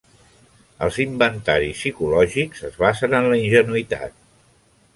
Els inventaris psicològics es basen en la ingenuïtat.